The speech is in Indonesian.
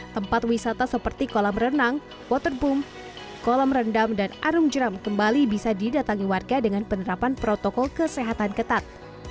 tempat wisata seperti kolam renang waterboong kolam rendam dan arum jeram kembali bisa didatangi warga dengan penerapan protokol kesehatan ketat